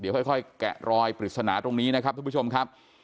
เดี๋ยวค่อยแกะรอยปริศนาตรงนี้นะครับทุกผู้ชมครับ